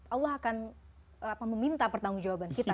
allah akan meminta pertanggung jawaban kita